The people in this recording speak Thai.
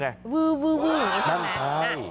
อะไรแบบนี้นะครับ